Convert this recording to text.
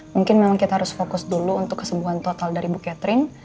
mungkin memang kita harus fokus dulu untuk kesembuhan total dari bu catherine